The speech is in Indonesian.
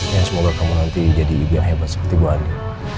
ya semoga kamu nanti jadi ibu yang hebat seperti bu andien